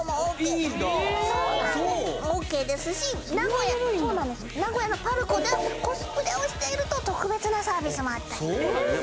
ああそうＯＫですし名古屋のＰＡＲＣＯでコスプレをしていると特別なサービスもあったりそうなんだね